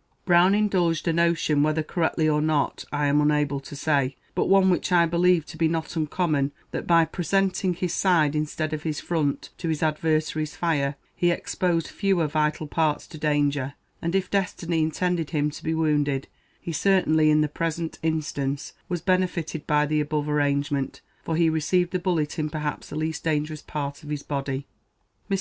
Mr. Brown indulged a notion, whether correctly or not I am unable to say, but one which I believe to be not uncommon, that by presenting his side instead of his front to his adversary's fire, he exposed fewer vital parts to danger; and if destiny intended him to be wounded, he certainly, in the present instance, was benefited by the above arrangement, for he received the bullet in perhaps the least dangerous part of his body. Mr.